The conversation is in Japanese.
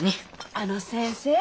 あの先生。